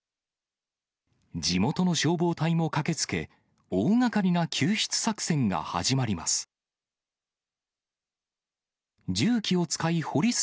地元の消防隊も駆けつけ、大がかりな救出作戦が始まります。